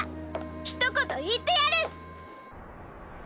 ひと言言ってやる！